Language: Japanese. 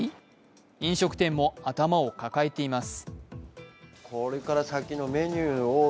飲食店も頭を抱えています。